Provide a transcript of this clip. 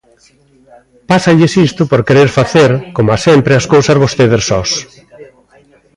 Pásalles isto por querer facer, coma sempre, as cousas vostedes sós.